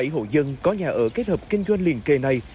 bảy hộ dân có nhà ở kết hợp kinh doanh liền kề này